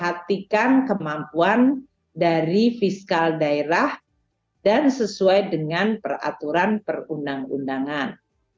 dan memperhatikan kemampuan dari fiskal daerah dan sesuai dengan peraturan perundang undangan